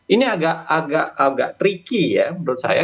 ini agak tricky ya menurut saya